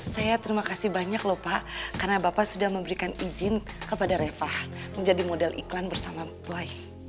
saya terima kasih banyak lho pak karena bapak sudah memberikan izin kepada reva menjadi model iklan bersama buai